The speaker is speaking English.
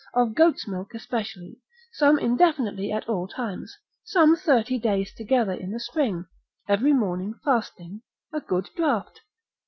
of goat's milk especially, some indefinitely at all times, some thirty days together in the spring, every morning fasting, a good draught.